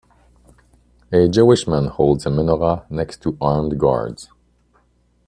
a jewish man holds a menorah next to armed guards